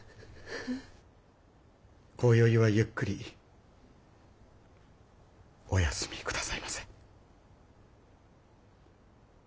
今宵はゆっくりおやすみ下さいませ。